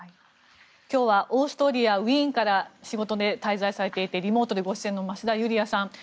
今日はオーストリア・ウィーンからリモートでご出演の増田ユリヤさん。